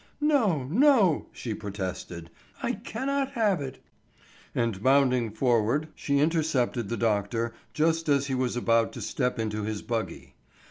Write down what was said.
"No, no," she protested, "I cannot have it." And bounding forward she intercepted the doctor, just as he was about to step into his buggy.